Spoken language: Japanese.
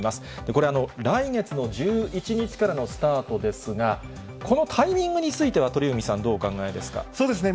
これ、来月の１１日からのスタートですが、このタイミングについては、鳥海さん、どうお考えですか。